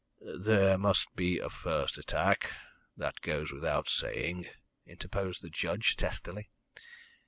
"There must be a first attack that goes without saying," interposed the judge testily.